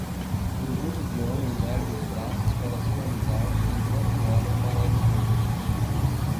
Um grupo de homens ergue os braços para sinalizar enquanto olham para a esquerda.